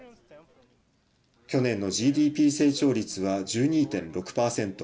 去年のＧＤＰ成長率は１２．６％。